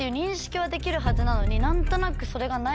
何となく。